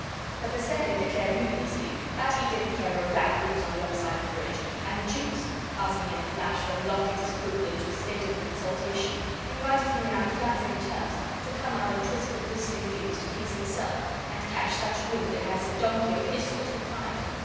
But the second declared mutinously that he didn't care a rap who was on the other side of the bridge, and Jukes, passing in a flash from lofty disapproval into a state of exaltation, invited him in unflattering terms to come up and twist the beastly things to please himself, and catch such wind as a donkey of his sort could find.